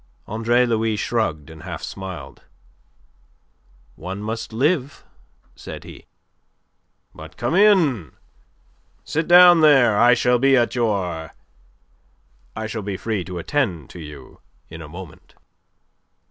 Andre Louis shrugged and half smiled. "One must live," said he. "But come in. Sit down there. I shall be at your.... I shall be free to attend to you in a moment."